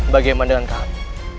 bagaimana dengan kamu